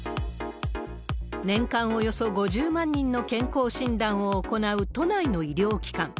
年間およそ５０万人の健康診断を行う都内の医療機関。